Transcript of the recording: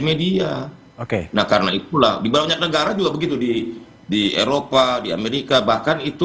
media oke nah karena itulah di banyak negara juga begitu di eropa di amerika bahkan itu